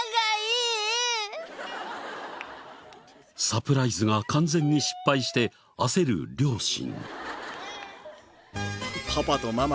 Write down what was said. サプライズが完全に失敗して焦る両親。